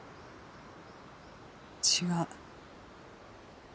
違う